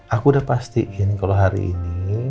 aku udah pastiin kalau hari ini